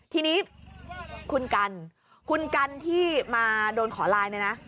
ทีนี้คุณกันคุณกันที่มาโดนขอไลน์เนี่ยนะ